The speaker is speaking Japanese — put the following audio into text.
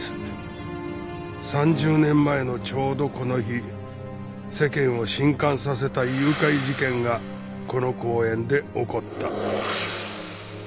３０年前のちょうどこの日世間を震撼させた誘拐事件がこの公園で起こった